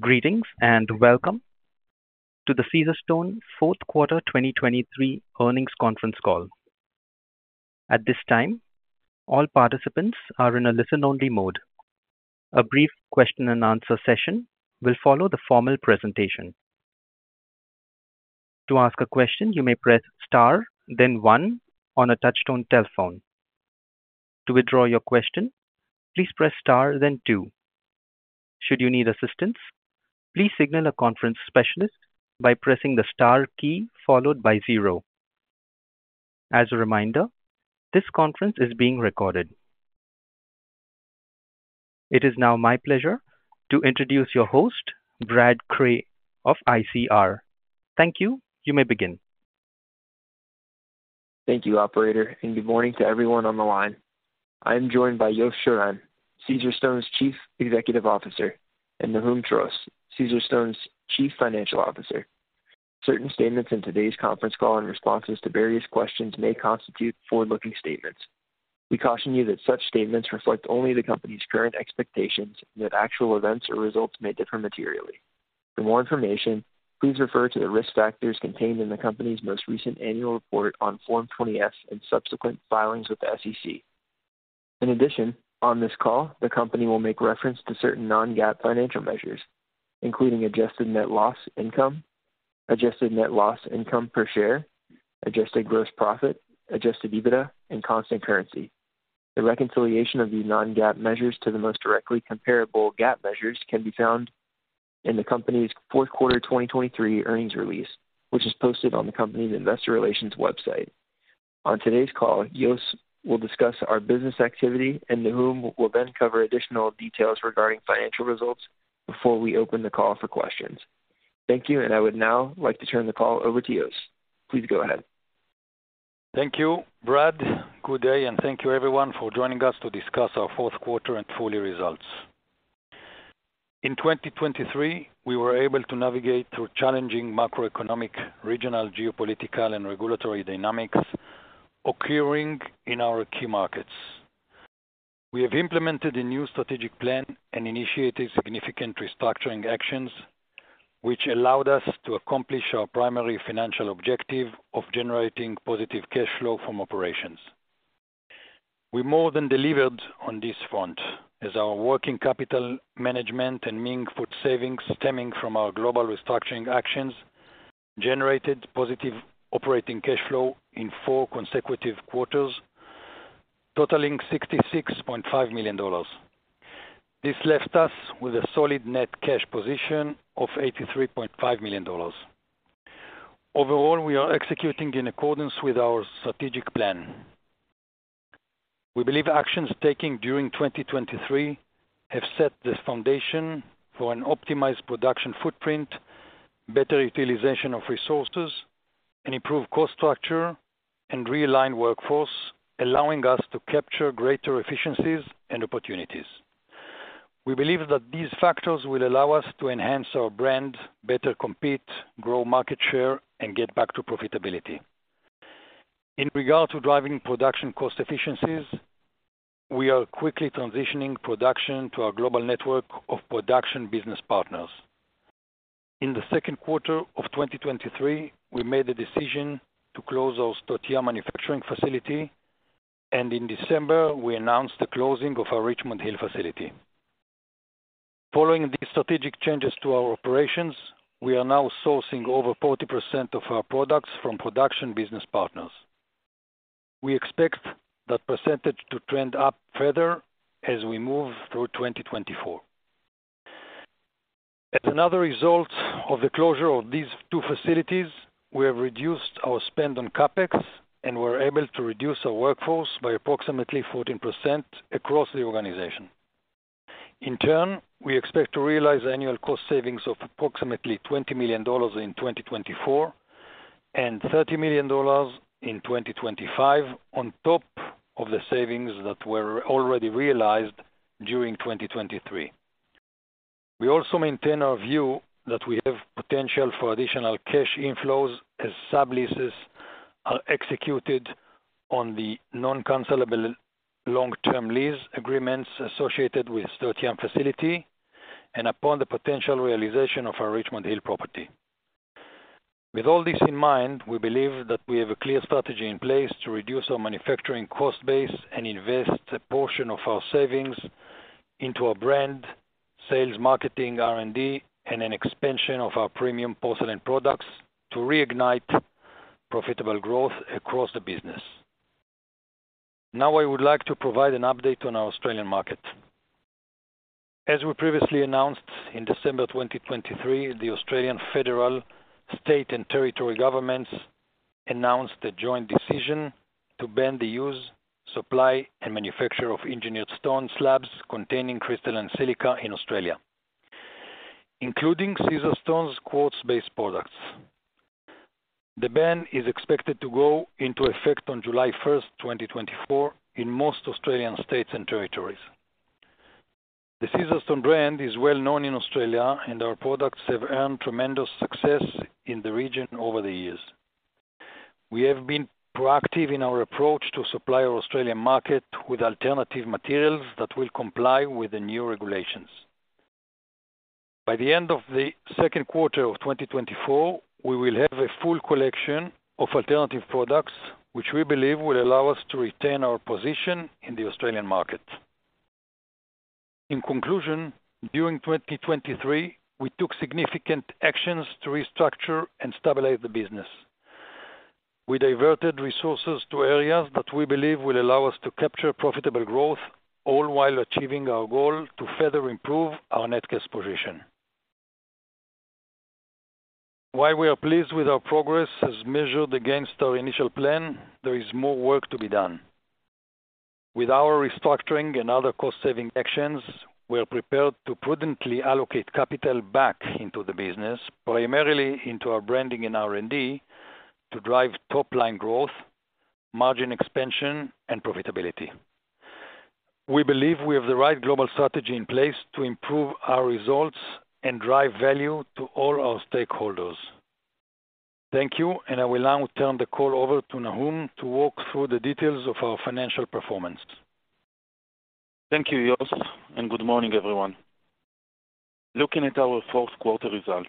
Greetings, and welcome to the Caesarstone Fourth Quarter 2023 Earnings Conference Call. At this time, all participants are in a listen-only mode. A brief question and answer session will follow the formal presentation. To ask a question, you may press Star, then one on a touchtone telephone. To withdraw your question, please press Star, then two. Should you need assistance, please signal a conference specialist by pressing the Star key followed by zero. As a reminder, this conference is being recorded. It is now my pleasure to introduce your host, Brad Cray of ICR. Thank you. You may begin. Thank you, operator, and good morning to everyone on the line. I am joined by Yosef Shiran, Caesarstone's Chief Executive Officer, and Nahum Trost, Caesarstone's Chief Financial Officer. Certain statements in today's conference call and responses to various questions may constitute forward-looking statements. We caution you that such statements reflect only the company's current expectations, and that actual events or results may differ materially. For more information, please refer to the risk factors contained in the company's most recent annual report on Form 20-F and subsequent filings with the SEC. In addition, on this call, the company will make reference to certain non-GAAP financial measures, including adjusted net loss, income, adjusted net loss income per share, adjusted gross profit, adjusted EBITDA, and constant currency. The reconciliation of the non-GAAP measures to the most directly comparable GAAP measures can be found in the company's fourth quarter 2023 earnings release, which is posted on the company's investor relations website. On today's call, Yosef will discuss our business activity, and Nahum will then cover additional details regarding financial results before we open the call for questions. Thank you, and I would now like to turn the call over to Yosef. Please go ahead. Thank you, Brad. Good day, and thank you, everyone, for joining us to discuss our fourth quarter and full year results. In 2023, we were able to navigate through challenging macroeconomic, regional, geopolitical, and regulatory dynamics occurring in our key markets. We have implemented a new strategic plan and initiated significant restructuring actions, which allowed us to accomplish our primary financial objective of generating positive cash flow from operations. We more than delivered on this front, as our working capital management and manufacturing savings stemming from our global restructuring actions generated positive operating cash flow in four consecutive quarters, totaling $66,500,000. This left us with a solid net cash position of $83,500,000. Overall, we are executing in accordance with our strategic plan. We believe actions taken during 2023 have set the foundation for an optimized production footprint, better utilization of resources, an improved cost structure, and realigned workforce, allowing us to capture greater efficiencies and opportunities. We believe that these factors will allow us to enhance our brand, better compete, grow market share, and get back to profitability. In regard to driving production cost efficiencies, we are quickly transitioning production to our global network of production business partners. In the second quarter of 2023, we made the decision to close our Sdot Yam manufacturing facility, and in December, we announced the closing of our Richmond Hill facility. Following these strategic changes to our operations, we are now sourcing over 40% of our products from production business partners. We expect that percentage to trend up further as we move through 2024. As another result of the closure of these two facilities, we have reduced our spend on CapEx, and we're able to reduce our workforce by approximately 14% across the organization. In turn, we expect to realize annual cost savings of approximately $20,000,000 in 2024 and $30,000,000 in 2025, on top of the savings that were already realized during 2023. We also maintain our view that we have potential for additional cash inflows as subleases are executed on the non-cancelable long-term lease agreements associated with Sdot Yam facility and upon the potential realization of our Richmond Hill property. With all this in mind, we believe that we have a clear strategy in place to reduce our manufacturing cost base and invest a portion of our savings into our brand, sales, marketing, R&D, and an expansion of our premium porcelain products to reignite profitable growth across the business. Now, I would like to provide an update on our Australian market. As we previously announced, in December 2023, the Australian federal, state, and territory governments announced a joint decision to ban the use, supply, and manufacture of engineered stone slabs containing crystalline silica in Australia, including Caesarstone's quartz-based products. The ban is expected to go into effect on July 1, 2024, in most Australian states and territories. The Caesarstone brand is well known in Australia, and our products have earned tremendous success in the region over the years.... We have been proactive in our approach to supply our Australian market with alternative materials that will comply with the new regulations. By the end of the second quarter of 2024, we will have a full collection of alternative products, which we believe will allow us to retain our position in the Australian market. In conclusion, during 2023, we took significant actions to restructure and stabilize the business. We diverted resources to areas that we believe will allow us to capture profitable growth, all while achieving our goal to further improve our net cash position. While we are pleased with our progress as measured against our initial plan, there is more work to be done. With our restructuring and other cost-saving actions, we are prepared to prudently allocate capital back into the business, primarily into our branding and R&D, to drive top-line growth, margin expansion, and profitability. We believe we have the right global strategy in place to improve our results and drive value to all our stakeholders. Thank you, and I will now turn the call over to Nahum to walk through the details of our financial performance. Thank you, Yosef, and good morning, everyone. Looking at our fourth quarter results,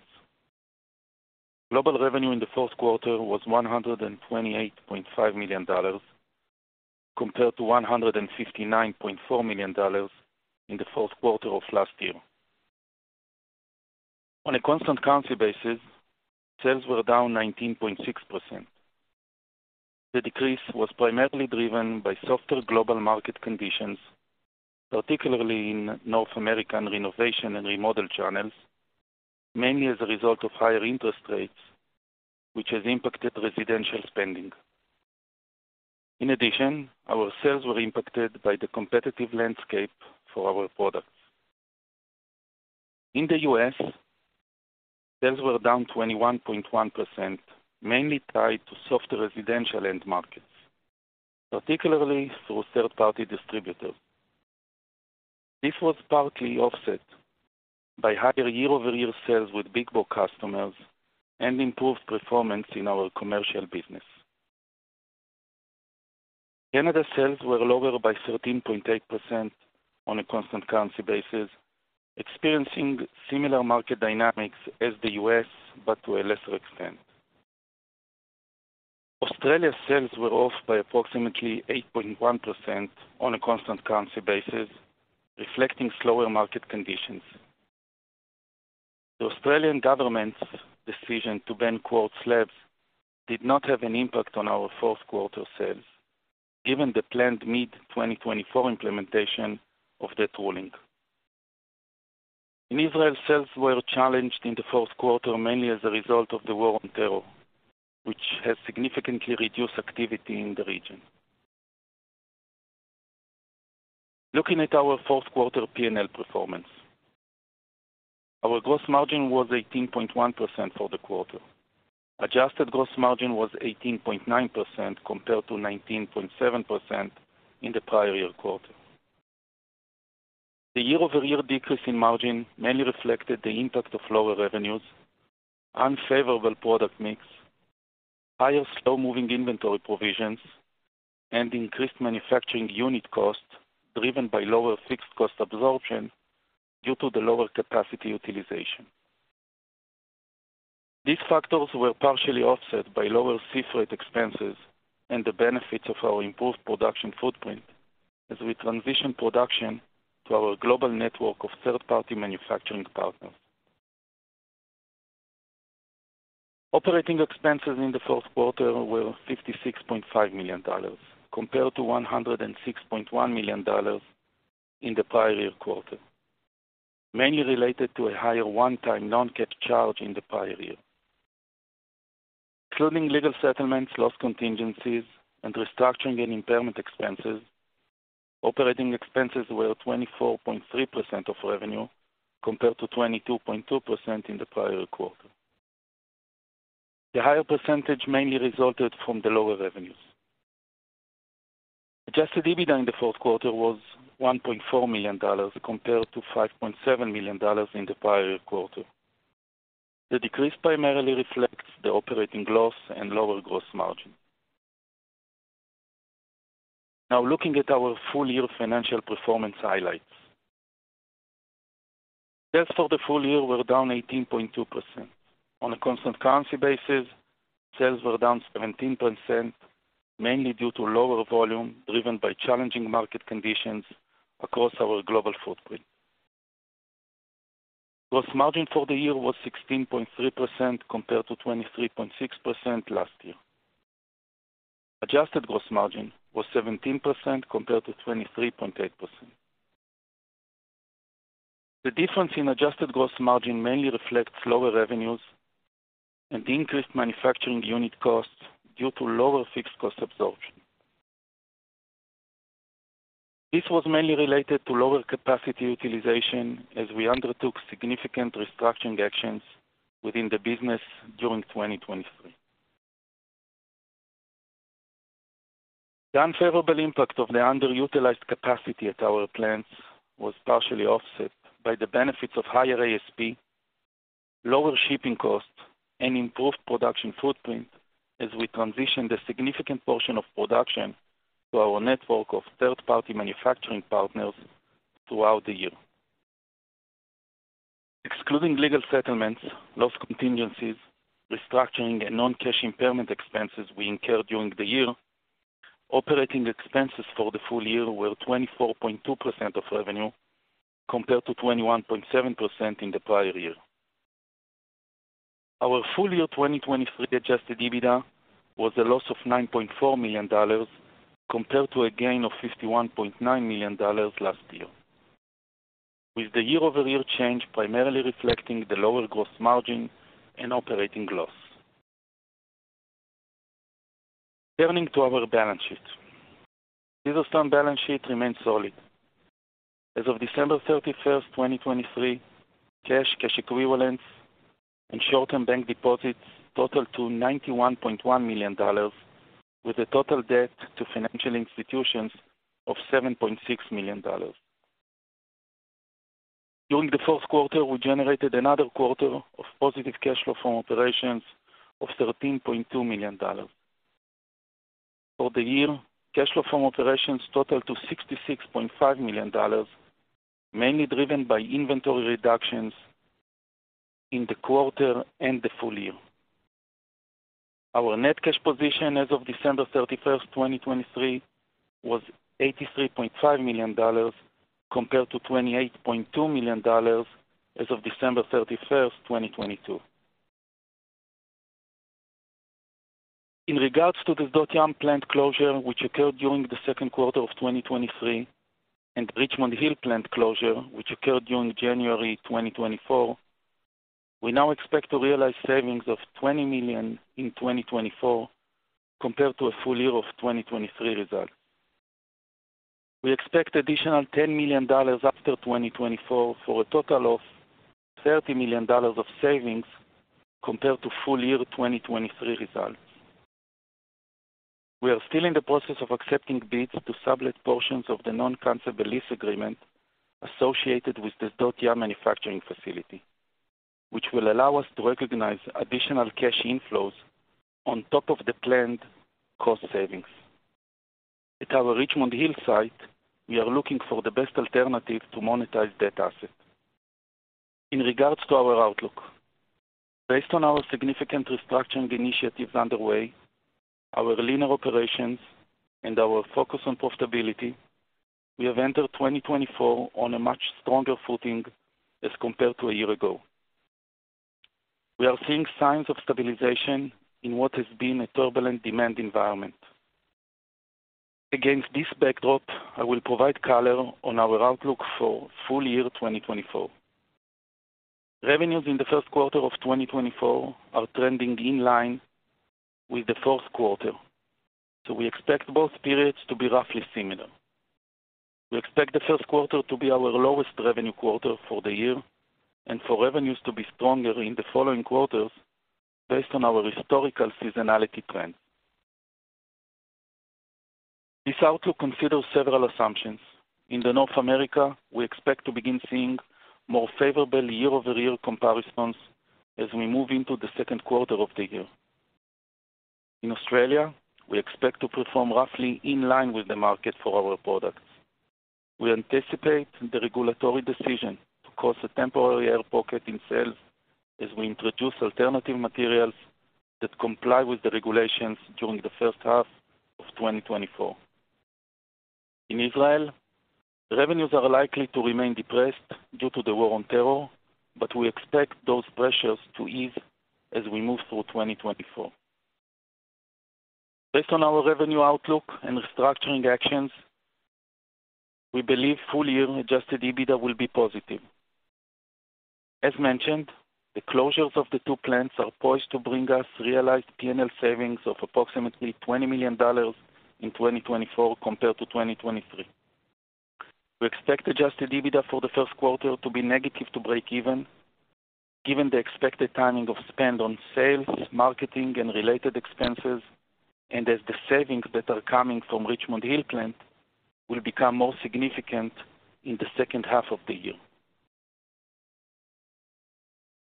global revenue in the fourth quarter was $128,500,000, compared to $159,400,000 in the fourth quarter of last year. On a constant currency basis, sales were down 19.6%. The decrease was primarily driven by softer global market conditions, particularly in North American renovation and remodel channels, mainly as a result of higher interest rates, which has impacted residential spending. In addition, our sales were impacted by the competitive landscape for our products. In the U.S., sales were down 21.1%, mainly tied to softer residential end markets, particularly through third-party distributors. This was partly offset by higher year-over-year sales with big box customers and improved performance in our commercial business. Canada sales were lower by 13.8% on a constant currency basis, experiencing similar market dynamics as the U.S., but to a lesser extent. Australia sales were off by approximately 8.1% on a constant currency basis, reflecting slower market conditions. The Australian government's decision to ban quartz slabs did not have an impact on our fourth quarter sales, given the planned mid-2024 implementation of that ruling. In Israel, sales were challenged in the fourth quarter, mainly as a result of the war on terror, which has significantly reduced activity in the region. Looking at our fourth quarter PNL performance, our gross margin was 18.1% for the quarter. Adjusted gross margin was 18.9%, compared to 19.7% in the prior year quarter. The year-over-year decrease in margin mainly reflected the impact of lower revenues, unfavorable product mix, higher slow-moving inventory provisions, and increased manufacturing unit cost, driven by lower fixed cost absorption due to the lower capacity utilization. These factors were partially offset by lower sea freight expenses and the benefits of our improved production footprint as we transition production to our global network of third-party manufacturing partners. Operating expenses in the fourth quarter were $56,500,000, compared to $106,100,000 in the prior year quarter, mainly related to a higher one-time non-cash charge in the prior year. Excluding legal settlements, loss contingencies, and restructuring and impairment expenses, operating expenses were 24.3% of revenue, compared to 22.2% in the prior quarter. The higher percentage mainly resulted from the lower revenues. Adjusted EBITDA in the fourth quarter was $1,400,000, compared to $5,700,000 in the prior quarter. The decrease primarily reflects the operating loss and lower gross margin. Now, looking at our full year financial performance highlights. Sales for the full year were down 18.2%. On a constant currency basis, sales were down 17%, mainly due to lower volume, driven by challenging market conditions across our global footprint. Gross margin for the year was 16.3%, compared to 23.6% last year. Adjusted gross margin was 17%, compared to 23.8%. The difference in adjusted gross margin mainly reflects lower revenues and increased manufacturing unit costs due to lower fixed cost absorption. This was mainly related to lower capacity utilization as we undertook significant restructuring actions within the business during 2023. The unfavorable impact of the underutilized capacity at our plants was partially offset by the benefits of higher ASP, lower shipping costs, and improved production footprint as we transitioned a significant portion of production to our network of third-party manufacturing partners throughout the year. Excluding legal settlements, loss contingencies, restructuring, and non-cash impairment expenses we incurred during the year, operating expenses for the full year were 24.2% of revenue, compared to 21.7% in the prior year. Our full year 2023 Adjusted EBITDA was a loss of $9,400,000, compared to a gain of $51,900,000 last year, with the year-over-year change primarily reflecting the lower gross margin and operating loss. Turning to our balance sheet. Caesarstone balance sheet remains solid. As of December thirty-first, 2023, cash, cash equivalents, and short-term bank deposits totaled to $91,100,000, with a total debt to financial institutions of $7,600,000. During the fourth quarter, we generated another quarter of positive cash flow from operations of $13,200,000. For the year, cash flow from operations totaled to $66,500,000, mainly driven by inventory reductions in the quarter and the full year. Our net cash position as of December thirty-first, 2023, was $83,500,000, compared to $28,200,000 as of December thirty-first, 2022. In regards to the Sdot Yam plant closure, which occurred during the second quarter of 2023, and Richmond Hill plant closure, which occurred during January 2024, we now expect to realize savings of $20,000,000 in 2024, compared to a full year of 2023 results. We expect additional $10,000,000 after 2024, for a total of $30,000,000 of savings compared to full year 2023 results. We are still in the process of accepting bids to sublet portions of the non-cancelable lease agreement associated with the Sdot Yam manufacturing facility, which will allow us to recognize additional cash inflows on top of the planned cost savings. At our Richmond Hill site, we are looking for the best alternative to monetize that asset. In regards to our outlook, based on our significant restructuring initiatives underway, our leaner operations, and our focus on profitability, we have entered 2024 on a much stronger footing as compared to a year ago. We are seeing signs of stabilization in what has been a turbulent demand environment. Against this backdrop, I will provide color on our outlook for full year 2024. Revenues in the first quarter of 2024 are trending in line with the fourth quarter, so we expect both periods to be roughly similar. We expect the first quarter to be our lowest revenue quarter for the year and for revenues to be stronger in the following quarters, based on our historical seasonality trend. This outlook considers several assumptions. In the North America, we expect to begin seeing more favorable year-over-year comparisons as we move into the second quarter of the year. In Australia, we expect to perform roughly in line with the market for our products. We anticipate the regulatory decision to cause a temporary air pocket in sales as we introduce alternative materials that comply with the regulations during the first half of 2024. In Israel, revenues are likely to remain depressed due to the war on terror, but we expect those pressures to ease as we move through 2024. Based on our revenue outlook and restructuring actions, we believe full year adjusted EBITDA will be positive. As mentioned, the closures of the two plants are poised to bring us realized PNL savings of approximately $20,000,000 in 2024 compared to 2023. We expect Adjusted EBITDA for the first quarter to be negative to breakeven, given the expected timing of spend on sales, marketing, and related expenses, and as the savings that are coming from Richmond Hill Plant will become more significant in the second half of the year.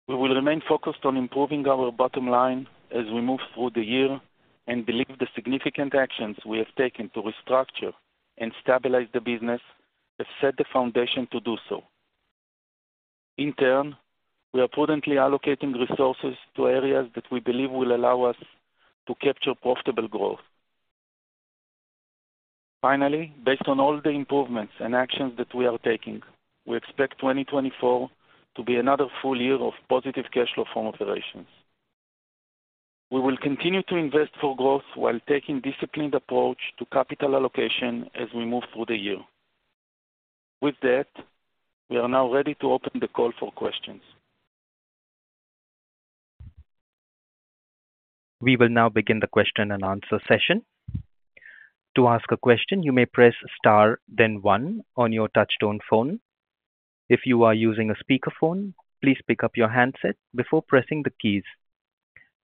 We will remain focused on improving our bottom line as we move through the year and believe the significant actions we have taken to restructure and stabilize the business have set the foundation to do so. In turn, we are prudently allocating resources to areas that we believe will allow us to capture profitable growth. Finally, based on all the improvements and actions that we are taking, we expect 2024 to be another full year of positive cash flow from operations. We will continue to invest for growth while taking disciplined approach to capital allocation as we move through the year. With that, we are now ready to open the call for questions. We will now begin the question and answer session. To ask a question, you may press star then one on your touch-tone phone.... If you are using a speakerphone, please pick up your handset before pressing the keys.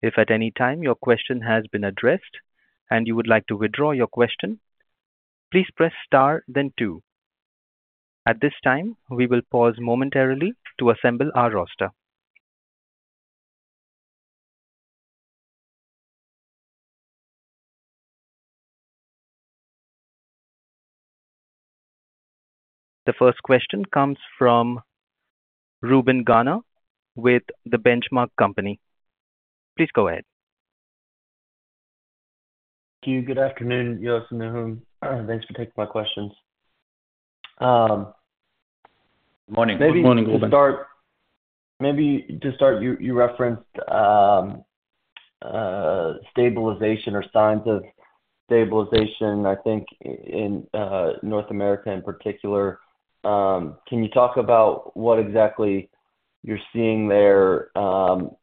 If at any time your question has been addressed and you would like to withdraw your question, please press star, then two. At this time, we will pause momentarily to assemble our roster. The first question comes from Reuben Garner with The Benchmark Company. Please go ahead. Thank you. Good afternoon, Yoav and Nahum. Thanks for taking my questions. Morning. Good morning, Reuben. You referenced stabilization or signs of stabilization, I think, in North America in particular.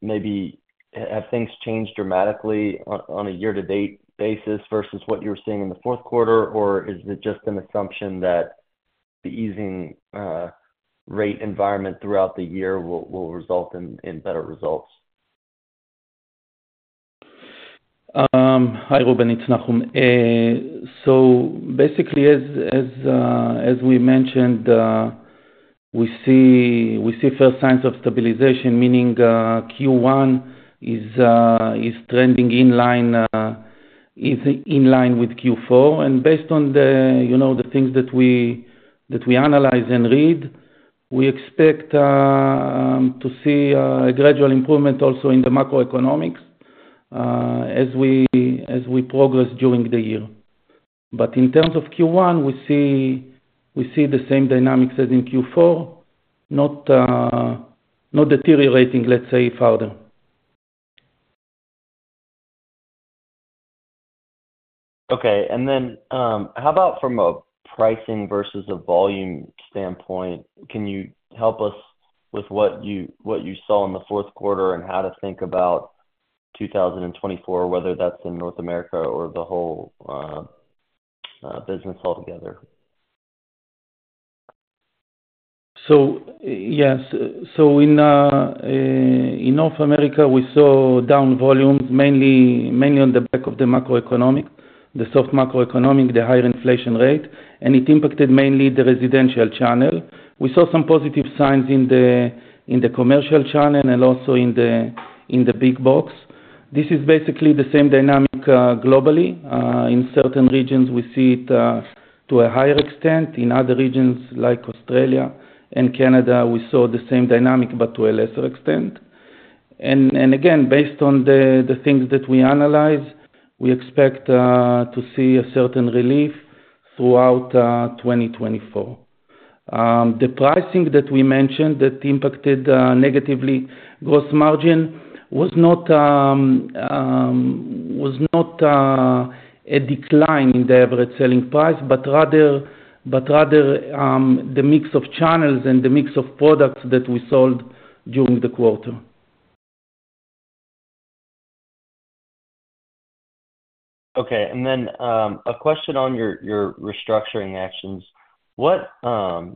Maybe have things changed dramatically on a year-to-date basis versus what you were seeing in the fourth quarter? Or is it just an assumption that the easing rate environment throughout the year will result in better results? Hi, Reuben. It's Nahum. So basically, as we mentioned, we see first signs of stabilization, meaning Q1 is trending in line, is in line with Q4. And based on the, you know, the things that we analyze and read, we expect to see a gradual improvement also in the macroeconomics as we progress during the year. But in terms of Q1, we see the same dynamics as in Q4, not deteriorating, let's say, further. Okay. And then, how about from a pricing versus a volume standpoint? Can you help us with what you, what you saw in the fourth quarter and how to think about 2024, whether that's in North America or the whole business altogether? Yes. In North America, we saw down volumes, mainly on the back of the soft macroeconomic, the higher inflation rate, and it impacted mainly the residential channel. We saw some positive signs in the commercial channel and also in the big box. This is basically the same dynamic globally. In certain regions we see it to a higher extent. In other regions, like Australia and Canada, we saw the same dynamic, but to a lesser extent. And again, based on the things that we analyze, we expect to see a certain relief throughout 2024. The pricing that we mentioned that impacted negatively gross margin was not... Was not a decline in the average selling price, but rather the mix of channels and the mix of products that we sold during the quarter. Okay. And then, a question on your restructuring actions. What? So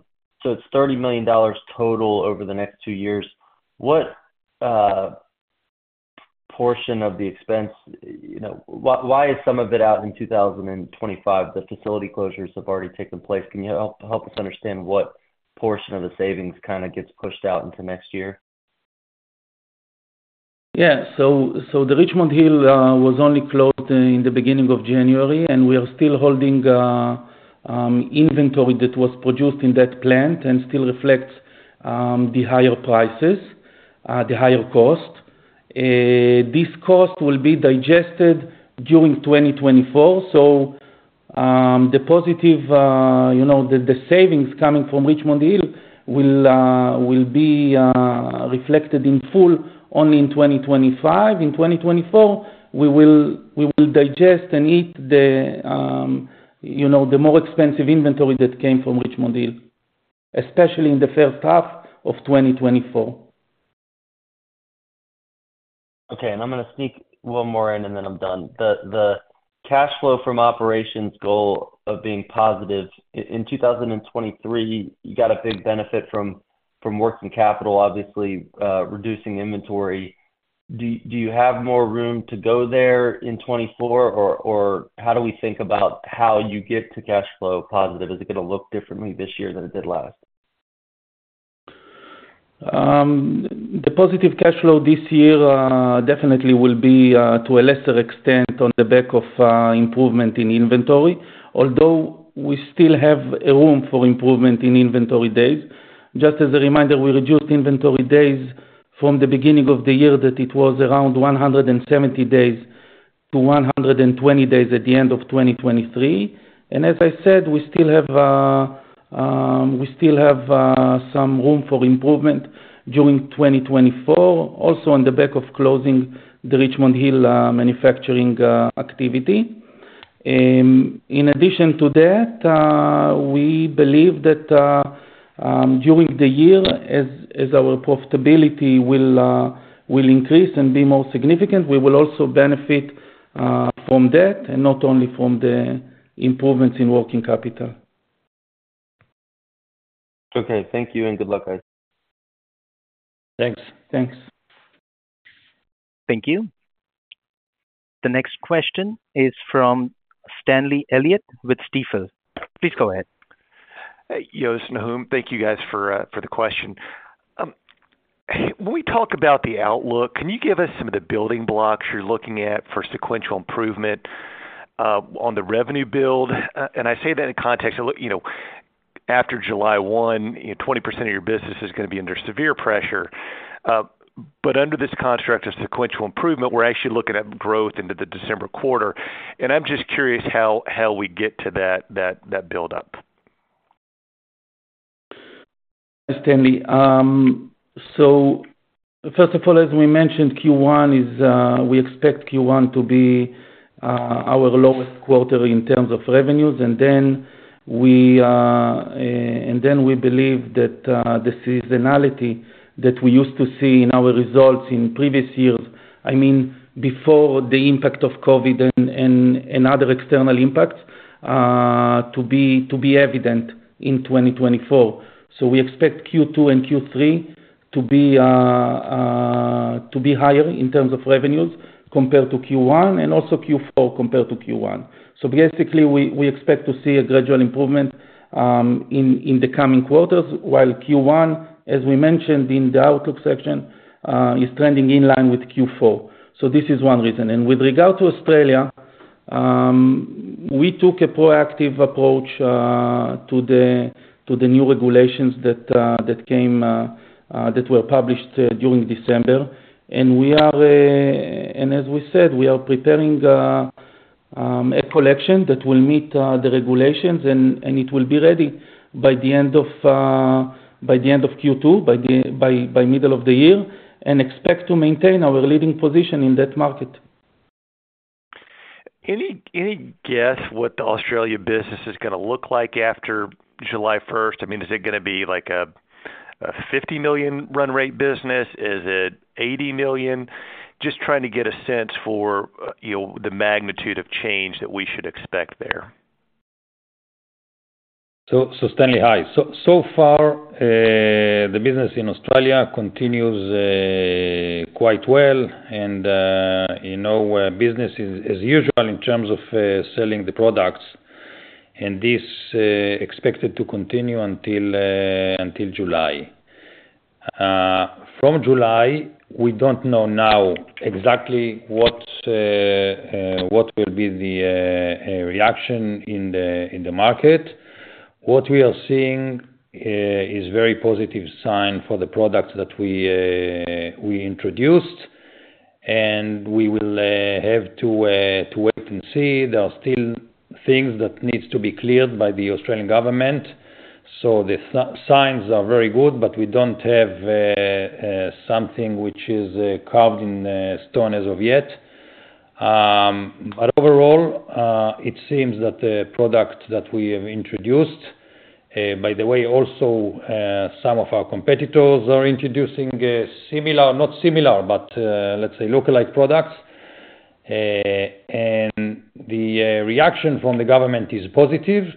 it's $30,000,000 total over the next two years. What portion of the expense, you know, why is some of it out in 2025? The facility closures have already taken place. Can you help us understand what portion of the savings kinda gets pushed out into next year? Yeah. So, the Richmond Hill was only closed in the beginning of January, and we are still holding inventory that was produced in that plant and still reflects the higher prices, the higher cost. This cost will be digested during 2024, so the positive, you know, the savings coming from Richmond Hill will be reflected in full only in 2025. In 2024, we will digest and eat the, you know, the more expensive inventory that came from Richmond Hill, especially in the first half of 2024. Okay, and I'm gonna sneak one more in, and then I'm done. The cash flow from operations goal of being positive in 2023, you got a big benefit from working capital, obviously, reducing inventory. Do you have more room to go there in 2024? Or how do we think about how you get to cash flow positive? Is it gonna look differently this year than it did last? The positive cash flow this year definitely will be to a lesser extent on the back of improvement in inventory, although we still have a room for improvement in inventory days. Just as a reminder, we reduced inventory days from the beginning of the year, that it was around 170 days, to 120 days at the end of 2023. As I said, we still have some room for improvement during 2024, also on the back of closing the Richmond Hill manufacturing activity. In addition to that, we believe that during the year, as our profitability will increase and be more significant, we will also benefit from that and not only from the improvements in working capital. ... Okay, thank you, and good luck, guys. Thanks. Thanks. Thank you. The next question is from Stanley Elliott with Stifel. Please go ahead. Hey, Yosef, Nahum, thank you, guys, for the question. When we talk about the outlook, can you give us some of the building blocks you're looking at for sequential improvement on the revenue build? And I say that in context of, look, you know, after July 1, you know, 20% of your business is gonna be under severe pressure. But under this construct of sequential improvement, we're actually looking at growth into the December quarter, and I'm just curious how we get to that buildup. Stanley, so first of all, as we mentioned, Q1 is, we expect Q1 to be our lowest quarter in terms of revenues. And then we, and then we believe that the seasonality that we used to see in our results in previous years, I mean, before the impact of COVID and other external impacts, to be evident in 2024. So we expect Q2 and Q3 to be higher in terms of revenues compared to Q1, and also Q4 compared to Q1. So basically, we expect to see a gradual improvement in the coming quarters, while Q1, as we mentioned in the outlook section, is trending in line with Q4. So this is one reason. With regard to Australia, we took a proactive approach to the new regulations that were published during December. As we said, we are preparing a collection that will meet the regulations, and it will be ready by the end of Q2, by the middle of the year, and expect to maintain our leading position in that market. Any guess what the Australia business is gonna look like after July first? I mean, is it gonna be like a $50,000,000 run rate business? Is it $80,000,000? Just trying to get a sense for, you know, the magnitude of change that we should expect there. So Stanley, hi. So far, the business in Australia continues quite well. And, you know, business is as usual in terms of selling the products, and this expected to continue until July. From July, we don't know now exactly what will be the reaction in the market. What we are seeing is very positive sign for the products that we introduced, and we will have to wait and see. There are still things that needs to be cleared by the Australian government. So the signs are very good, but we don't have something which is carved in stone as of yet. But overall, it seems that the product that we have introduced, by the way, also, some of our competitors are introducing a similar, not similar, but, let's say look-alike products. The reaction from the government is positive.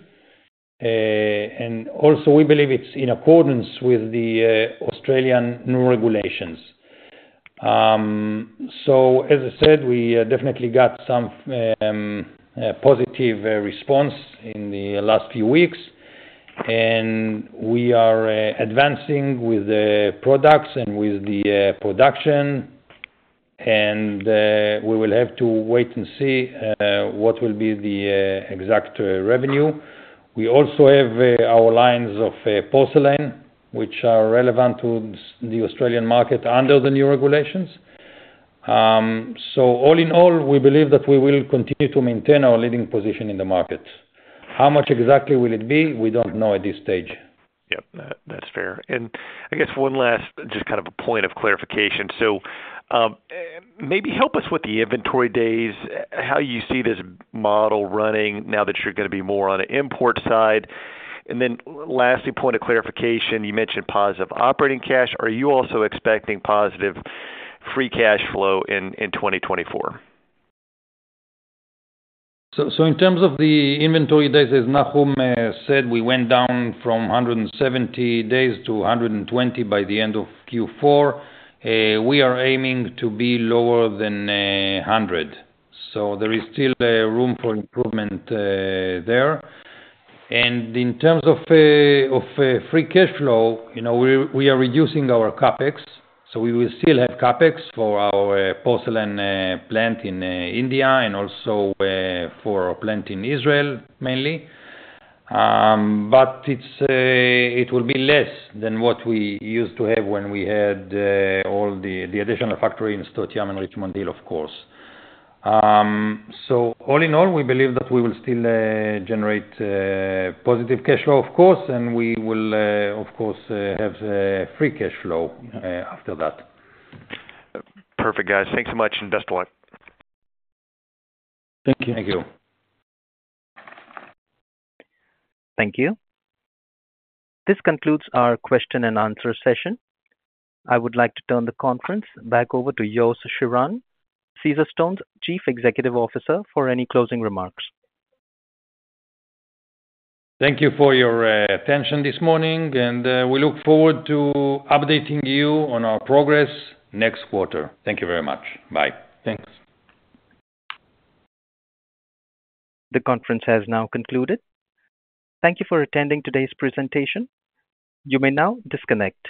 Also we believe it's in accordance with the Australian new regulations. As I said, we definitely got some positive response in the last few weeks, and we are advancing with the products and with the production, and we will have to wait and see what will be the exact revenue. We also have our lines of porcelain, which are relevant to the Australian market under the new regulations. All in all, we believe that we will continue to maintain our leading position in the market. How much exactly will it be? We don't know at this stage. Yep, that, that's fair. And I guess one last, just kind of a point of clarification. So, maybe help us with the inventory days, how you see this model running now that you're gonna be more on the import side. And then lastly, point of clarification, you mentioned positive operating cash. Are you also expecting positive free cash flow in 2024? So in terms of the inventory days, as Nahum said, we went down from 170 days to 120 by the end of Q4. We are aiming to be lower than 100. So there is still room for improvement there. And in terms of free cash flow, you know, we are reducing our CapEx, so we will still have CapEx for our porcelain plant in India and also for our plant in Israel, mainly. But it will be less than what we used to have when we had all the additional factory in Sdot Yam and Richmond Hill, of course. So all in all, we believe that we will still generate positive cash flow, of course, and we will, of course, have free cash flow after that. Perfect, guys. Thank you so much, and best of luck. Thank you. Thank you. Thank you. This concludes our question and answer session. I would like to turn the conference back over to Yosef Shiran, Caesarstone's Chief Executive Officer, for any closing remarks. Thank you for your attention this morning, and we look forward to updating you on our progress next quarter. Thank you very much. Bye. Thanks. The conference has now concluded. Thank you for attending today's presentation. You may now disconnect.